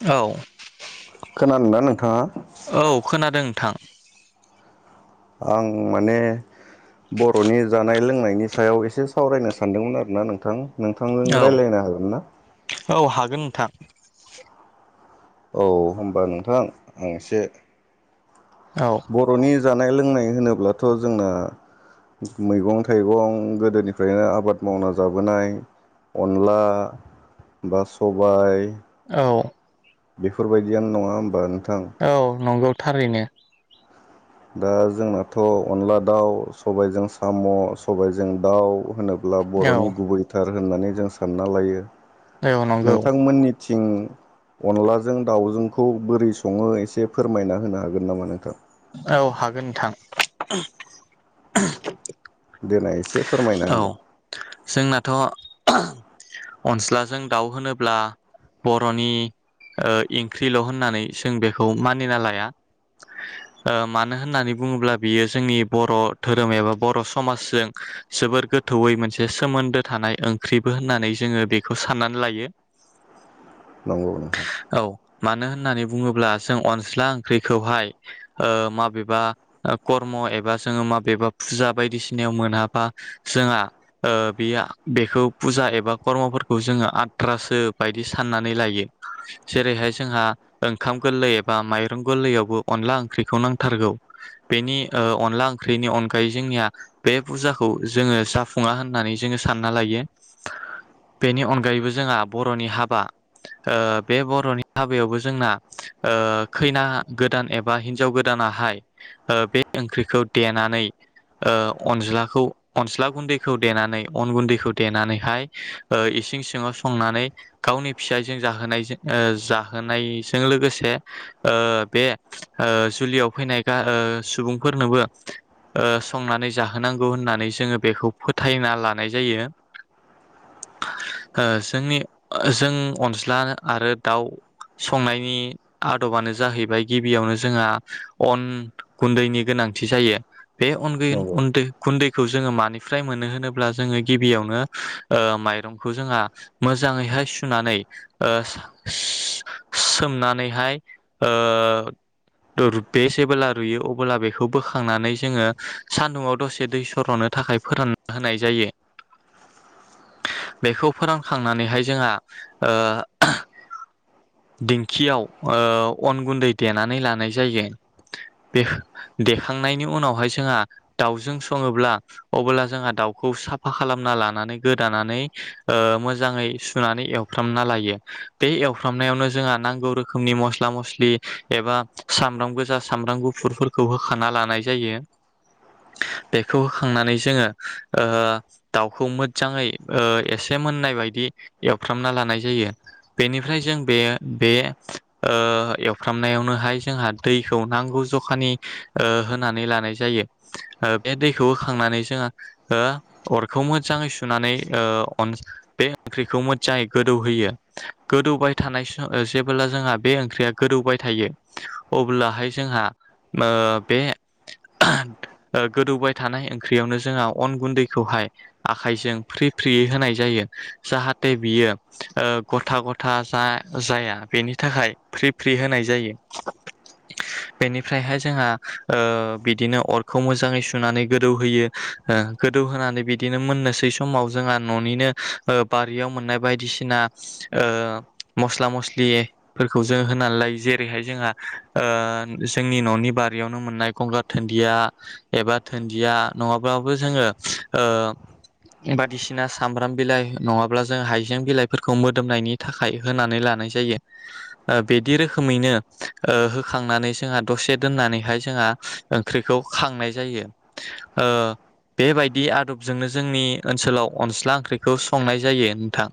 औ खोनादोना नों थाङा औ खोनादों नोंथां । [inaudible] आं माने बर'नि जानाय लोंनायनि सायाव एसे सावरायनो सानदोंमोन आरोना नोंथां । नोंथांजों औ रायलायनो हागोन ना? औ हागोन नोंथां औ होनबा नोंथां आं एसे औ बर'नि जानाय लोंनाय होनोब्लाथ' जोंना मैगं थाइगं गोदोनिफ्रायनो आबाद मावना जाबोनाय अनला बा सबाय औ बेफोरबायदियानो नङा होमबा नों औ नंगौ थारैनो दा जोंनाथ' अनला दाउ सबायजों साम' सबायजों दाउ होनोब्ला औ बर'नि गुबैथार । होननानै जों सानना लायो औ नंगौ नोंथांमोननिथिं अनलाजों दाउजोंखौ बोरै सङो एसे फोरमायना होनो हागोन नामा नोंथां? औ हागोन नोंथां । देलाइ एसे फोरमायना हो । जोंनाथ' अनस्लाजों दाउ होनोब्ला बर'नि ओ ओंख्रिल' होननानै जों बेखौ मानिना लाया । मानो होननानै बुङोब्ला बियो जोंनि बर' धोरोम एबा बर' समाजजों । जोबोर गोथौयै मोनसे सोमोन्दो थानाय ओंख्रिबो होननानै जोङो बेखौ साननानै लायो । नंगौ नोंथां मानो होननानै बुङोब्ला जों अनज्ला ओंख्रिखौहाय ओ माबेबा कर्म एबा जोङो माबेबा फुजा बायदिसिनायाव मोना बा जोंहा ओ बेआ बेखौ फुजा एबा कर्मफोरखौ जोङो आद्रासो बायदि साननानै लायो ।जेरैहाय जोंहा ओंखाम गोरलै एबा माइरं गोरलैआवबो अनला ओंख्रिखौ नांथारगौ बेनि ओ अनला ओंख्रिनि अनगायै जोंनिया बे फुजाखौ जोङो जाफुङा होननानै जोङो सानना लायो बेनि अनगायैबो जोंहा बर'नि हाबा ओ बे बर'नि हाबायावबो जोंना ओ खैना गोदान एबा हिनजाव गोदानाहाय ओ बे ओंख्रिखौ देनानै ओ अनज्ला खौ अनज्ला गुन्दैखौ देनानै अन गुन्दैखौ देनानैहाय ओ इसिं सिङाव संनानै गावनि फिसायजों जाहोनायजो ओ जाहोनायजों लोगोसे ओ बे ओ जुलियाव फैनाय गा ओ सुबुंफोरनोबो ओ संनानै जाहोनां गौ होननानै जोङो बेखौ फोथायना लानाय जायो ओ जोंनि जों अनज्ला आरो दाउ संनायनि आदबानो जाहैबाय गिबियावनो जोंहा अन गुन्दैनि गोनांथि जायो । बे उनगैन नंगौ उन्दो गुन्दैखौ जोङो मानिफ्राय मोनो होनोब्ला जोङो गिबियावनो ओ माइरंखौ जोंहा मोजाङैहाय सुनानै ओ सो सोमनानैहाय ओ रुबे जेबोला रुयो अब्ला बेखौ बोखांनानै जोङो सान्दुङाव । दसे दै सरनो थाखाय फोरानना होनाय जायो बेखौ फोरानखांनानैहाय जोंहा ओ दिंखियाव ओ अन गुन्दै देनानै लानाय जायो बेख देखांनायनि उनावहाय जोंहा दावजों सङोब्ला अबोला जोंहा दाउखौ साफा खालामना लानानै गोदानानै ओ मोजाङै सुनानै एवफ्रामना लायो बे एवफ्रामनायावनो जोंहा नांगौ रोखोमनि मस्ला मस्लि एबा सामब्राम गोजा सामब्राम गुफुरफोरखौ होखाना लानाय जायो बेखौ होखांनानै जोङो ओ दाउखौ मोजाङै ओ एसे मोननाय बायदि एवफ्रामना लानाय जायो बेनिफ्राय जों बे बे ओ एवफ्रामनायावनोहाय जोंहा दैखौ नांगौ जखानि ओ होनानै लानाय जायो ओ बे दैखौ होखांनानै जोंहा हो अरखौ मोजाङै सुनानै ओ अन्ज बे ओंख्रिखौ मोजाङै गोदौहोयो गोदौबाय थानाय सम ओ जेबोला जोंहा बे ओंख्रिया गोदौबाय थायो अब्लाहाय जोंहा बे ओ गोदौबाय थानाय ओंख्रियावनो जोंहा अन गुन्दैखौहाय आखाइजों फ्रि फ्रियै होनाय जायो जाहाथे बियो ओ गथा गथा जा जाया बेनि थाखाय फ्रि फ्रि होनाय जायो बेनिफ्रायहाय जोंहा ओ बिदिनो अर खौ मोजाङै सुनानै गोदौहोयो गोदौहोनानै बिदिनो मोननोसै समाव जोंहा ओ न'निनो बारियाव मोननाय बायदिसिना ओ मस्ला मस्लिफोरखौ जों होनानै लायो जेरैहाय जोंहा ओ जोंनि न'नि बारियावनो मोननाय गंगार धोनदिया एबा धोन्दिया नङाब्लाबो जोङो ओ बायदिसिना सामब्राम बिलाइ नङाब्ला जों हाइजें बिलाइफोरखौ मोदोमनायनि थाखाय होनानै लानाय जायो ओ बिदि रोखोमैनो ओ होखांनानै जोंहा दसे दोननानैहाय जोंहा ओंख्रिखौ खांनाय जायो ओ बेबायदि आदबजोंनो जोंनि ओनसोलाव अनज्ला ओंख्रिखौ संनाय जायो नोंथां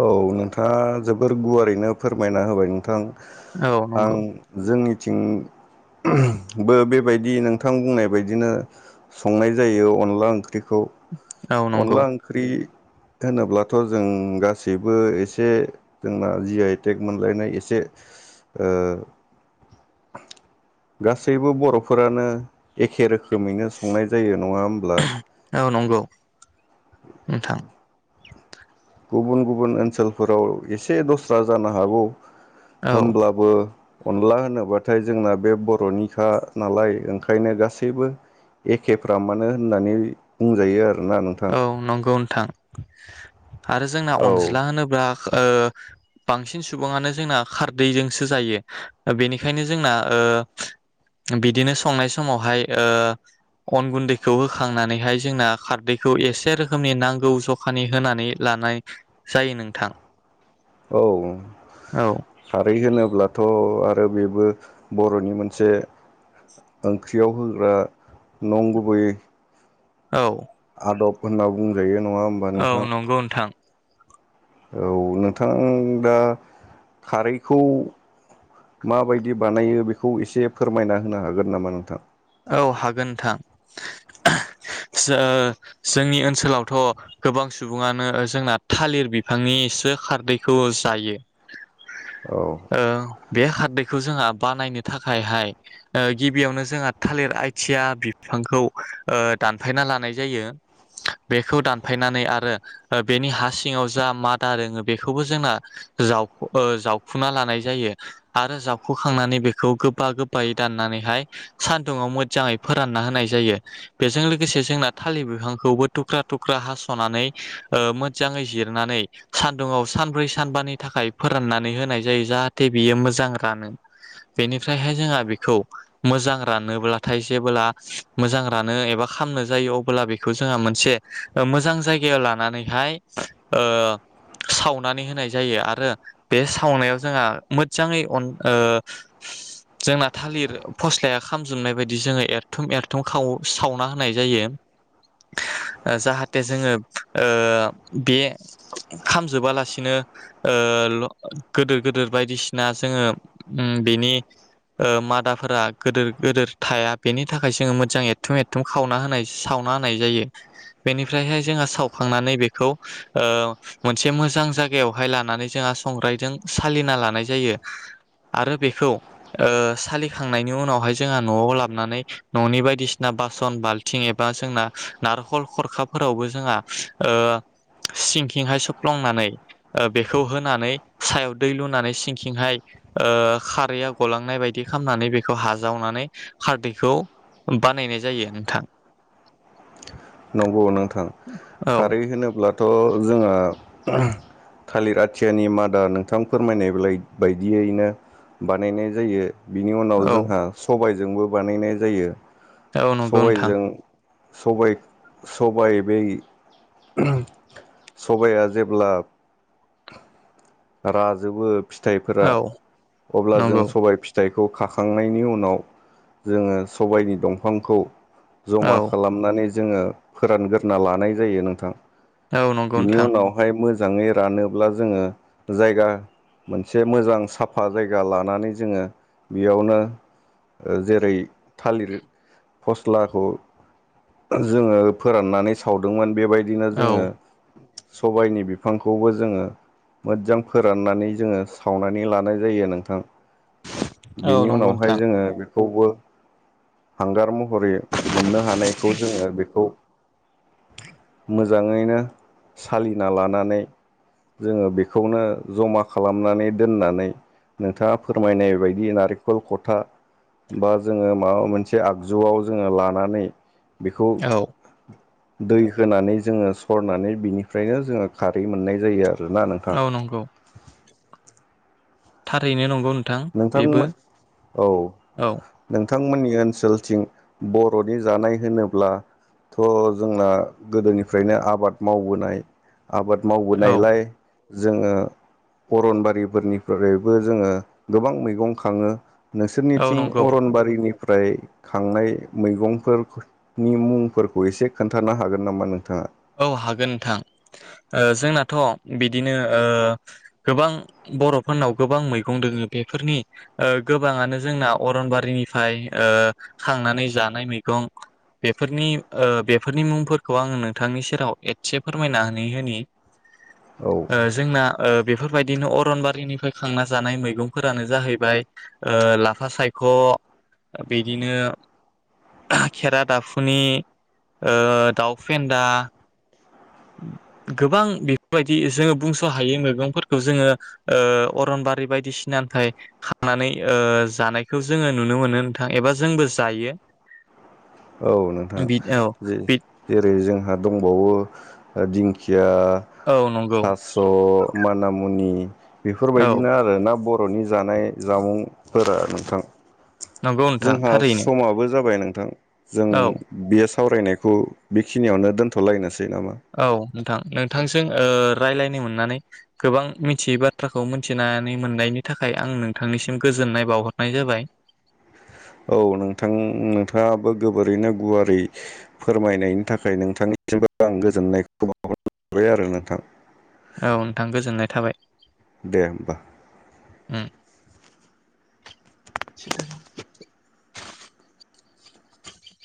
औ नोंथाङा जोबोर गुवारैनो फोरमायना होबाय नोंथां औ आं नंगौ जोंनि थिंबो बेबायदि नोंथां बुंनाय बायदिनो संनाय जायो अनला ओंख्रि ख्रिखौ औ नंगौ अनला ओंख्रि होनोब्लाथ' जों गासैबो एसे जोंना जि आइटेक मोनलायनाय एसे ओ गासैबो बर'फोरानो एखे रोखोमैनो संनाय जायो नङा होमब्ला औ नंगौ नोंथां गुबुन गुबुन ओनसोलफोराव एसे दस्रा जानो हागौ । औ होमब्लाबो अनला होनोब्लाथाय जोंना बे बर'निखा नालाय ओंखायनो गासैबो एखेफ्रा मानो होननानै बुंजायो आरोना नोंथां । थां आरो जोंना औ अनज्ला होनोब्ला ओ बांसिन सुबुङानो जोंना खारदैजोंसो जायो बेनिखायनो जोंना ओ बिदिनो संनाय समावहाय ओ अन गुन्दैखौ होखांनानैहाय जोंना खारदैखौ एसे रोखोमनि नांगौ जखानि होनानै लानाय जायो नोंथां । औ औ खारै होनोब्लाथ' आरो बेबो बर'नि मोनसे ओंख्रियाव होग्रा नंगुबै औ आदब होन्ना बुंजायो नङा होमबा औ नोंथां नंगौ नोंथां । औ नोंथां दा खारैखौ माबायदि बानायो बेखौ एसे फोरमायना होनो हागोन नामा नोंथां? औ हागोन नोंथां जोंनि ओ ओनसोलावथ' गोबां सुबुङानो ओ जोंना थालिर बिफांनिसो खारदैखौ जायो औ बे खारदैखौ जोंहा बानायनो थाखायहाय ओ गिबियावनो जोंहा थालिर आइथिया बिफांखौ ओ दानफायना लानाय जायो बेखौ दानफायनानै आरो बेनि हा सिङाव जा मादा दोङो बेखौबो जोंना ओ जावु जावखुना लानाय जायो आरो जावखुखांनानै बेखौ गोबा गोबायै दाननानैहाय सानदुंङाव मोजाङै फोरानना होनाय जायो बेजों लोगोसे जोंना थालिर बिफांखौबो थुख्रा थुख्रा हास'नानै ओ मोजाङै जिरनानै सान्दुुंआव सानब्रै सानबानि थाखाय फोराननानै होनाय जायो जाहाथे बियो मोजां रानो बेनिफ्रायहाय जोंहा बेखौ मोजां रानोब्लाथाय जेबोब्ला मोजां रानो एबा खालामनो जायो अब्ला बेखौ जोंहा मोनसे ओ मोजां जायगायाव लानानैहाय ओ सावनानै होनाय जायो आरो बे सावनायाव जोंहा मोजाङै ओ जोंना थालिर फस्लाया खामजोबनाय बायदि जोङो एरथुम एरथुमाव खा-सावना होनाय जायो जाहाथे जोङो ओ बे खामजोबालासिनो ओ गोदोर गोदोर बायदिसिना जोङो उम बेनि उम मादाफोरा गिदोर गिदोर थाया बेनि थाखाय जोङो मोजां एरथुम एरथुम खावना होनाय सावना होनाय जायो बेनिफ्रायहाय जोंहा सावखांनानै बेखौ ओ मोनसे मोजां जायगायावहाय लानानै जोंहा संग्रायजों सालिना लानाय जायो आरो बेखौ ओ सालिखांनाय नि उनावहाय जोंहा न'आव लांनानै न'नि बायदिसिना बासन बालथिं एबा जोंना नारखल खरखाफोरावबो जोंहा ओ सिंखिंहाय सफ्लांनानै ओ बेखौ होनानै सायाव दै लुनानै सिंखिंहाय ओ खारैआ गलांनाय बायदि खालामनानै बे खौ हाजावनानै खारदैखौ बानायनाय जायो नोंथां नंगौ नोंथा ओ औ खारै होनोब्ला थ' जोंहा थालिर आथियानि मादा नोंथां फोरमायनाय ब्लाइ बायदियैनो बानायनाय जायो बिनि उनाव औ जोंहा सबाय जोंबो बानायनाय जायो औ नंगौ नोंथां सबायजों सबाय सबाय बै सबाइआ जेब्ला राजोबो फिथाइफोरा औ अब्ला जों नंगौ सबाय फिथाइ खौ खाखांनायनि उनाव जोङो सबायनि दंफांखौ औ जमा खालामनानै जोङो फोरानगोरना लानाय जायो नोंथां औ नंगौ बिनि नोंथां उनावहाय मो जाङै रानोब्ला जोङो जायगा मोनसे मोजां साफा जायगा लानानै जोङो बेयावनो जेरै थालिर फस्लाखौ जोङो फोराननानै सावदोंमोन बेबायदिनो औ जोङो सबायनि बिफांखौबो जोङो मोजां फोराननानै जोङो सावनानै लानाय जायो नोंथां औ बेनि नंगौ उनावहाय नोंथां जोङो खौवबो हांगार मु हरे मोन्नो हानायखौ जोङो बेखौ मोजाङैनो सालिना लानानै जोङो बे खौनो जमा खालामनानै दोन्नानै नोंथाङा फोरमायनाय बायदि नारेंखल खथा बा जोङो माबा मोनसे आगजुआव जोङो लानानै बेखौ औ दै होनानै जोङो सरनानै बिनिफ्रायनो जोङो खारै मोन्नाय जायो । ना नोंथां? औ नंगौ। थारैनो नंगौ नों नोंथांमोन औ औ नों थांमोननि ओनसोलथिं बर'नि जानाय होनोब्लाथ' जोंना गोदोनिफ्रायनो आबाद मावबोनाय आबाद औ मावबोनायलाय जोङो अरनबारि फोरनिफ्रायबो जोङो गोबां मैगं खाङो औ नोंसोरनिथिं नंगौ अरनबारिनि फ्राय खांनाय मैगंफोरनि मुंफोरखौ एसे खोन्थानो हागोन नामा नोंथाङा? औ हागोन नोंथां ओ जोंनाथ' बिदिनो ओ गोबां बर'फोरनाव गोबां मैगं दोङो बेफोरनि ओ गोबाङानो जोंना अरनबारिनिफ्राय ओ खांनानै जानाय मैगं बेफोरनि बेफोरनि मुंफोरखौ आङो थांनि सेराव एसे फोरमायनानै होनि औ ओ जोंना ओ। बेफोरबायदिनो अरनबारिनिफ्राय खांना जानाय मैगंफोरानो जाहैबाय ओ लाफा सायख' बिदिनो खेरा दाफुनि ओ दाउ फेन दा। गोबां बेफोरबायदि जोङो बुंस' हायो मैगंफोरखौ जोङो ओ अरनबारि बायदिसिनानिफ्राय खांनानै ओ जानायखौ जोङो नुनो मोनो नोंथां एबा जोंबो जायो औ नोंथां बि औ जे बि जेरै जों दंबावो दिंखि या औ नंगौ थास' मानामुनि [inaudible] औ बेफोरबायदिनो आरो ना ब रनि जानाय जामुंफोरा नोंथां । नंगौ नोंथां जोंहा थारैनो समाबो जाबाय नों थां। जों औ बेस सावरायनायखौ बेखिनियावनो दोन्थ'लायनोसै औ नोंथां नोंथां जों ओ रायलायनो मोन्नानै गोबां मिथियै बाथ्राखौ मिथिनानै मोननायनि थाखाय आं नोंथांनिसिम गोजोननाय बावहरनाय जाबाय । औ नोंथां नोंथाङाबो गोबोरैनो गुवारै फोरमायनायनि थाखाय नोंथांनिसिमबो आं गोजोननायखौ बावहरबाय आरो नोंथां। औ नोंथां गोजोननाय थाबाय । दे होमबा । उम [inaudible]